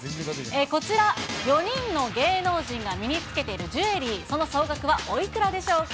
こちら、４人の芸能人が身につけているジュエリー、その総額はおいくらでしょうか。